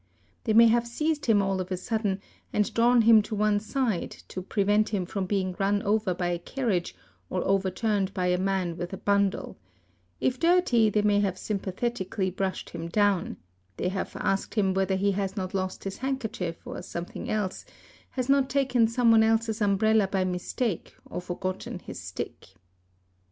They may have seized him all of a sudden and drawn him to one side to prevent him from being run over by a carriage or overturned by a man with a bundle; if dirty they may have sympathetically brushed him down, _ they have asked him whether he has not lost his handkerchief or some thing else, has not taken someone else's umbrella by mistake, or forgotton his stick.